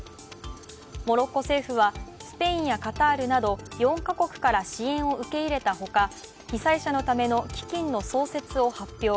モロッコ政府はスペインやカタールなど４か国から支援を受け入れたほか、被災者のための基金の創設を発表。